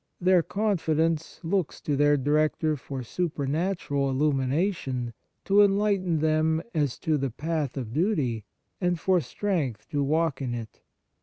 Their confidence looks to their director for supernatural illumination to enlighten them as to the path of duty, and for strength to walk in it.